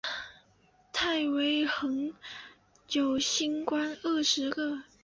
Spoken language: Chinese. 太微垣有星官二十个。